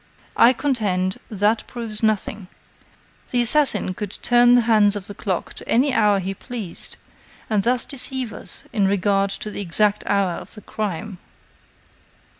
I contend, that proves nothing. The assassin could turn the hands of the clock to any hour he pleased, and thus deceive us in regard to the exact hour of the crime."